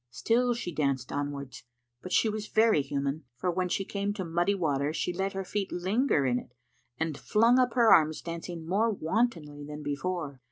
Still she danced onwards, but she was very human, for when she came to muddy water she let her feet lin ger in it, and flung up her arms, dancing more wantonly tiian before.